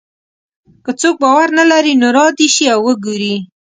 که څوک باور نه لري نو را دې شي او وګوري.